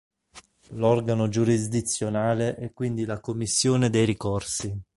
L'organo giurisdizionale è quindi la "Commissione dei Ricorsi".